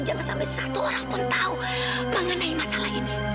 jangan sampai satu orang pun tahu mengenai masalah ini